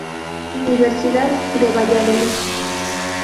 Universidad de Valladolid.